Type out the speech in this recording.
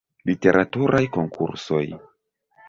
Literaturaj konkursoj.